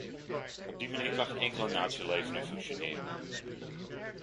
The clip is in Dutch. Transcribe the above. Op die manier kan geen enkele natie leven en functioneren.